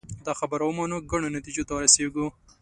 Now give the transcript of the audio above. دا خبره ومنو ګڼو نتیجو ته رسېږو